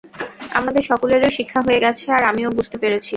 আমাদের সকলেরই শিক্ষা হয়ে গেছে, আর আমিও বুঝতে পেরেছি।